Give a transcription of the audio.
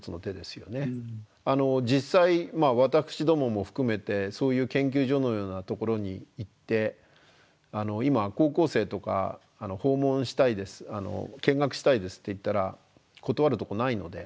実際私どもも含めてそういう研究所のようなところに行って今高校生とか「訪問したいです見学したいです」って言ったら断るとこないので。